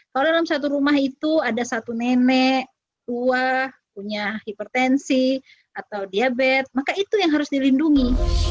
kalau dalam satu rumah itu ada satu nenek tua punya hipertensi atau diabetes maka itu yang harus dilindungi